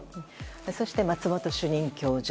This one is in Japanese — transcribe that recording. そして松本主任教授。